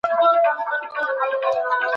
دولت باید اقتصاد ته پام وکړي.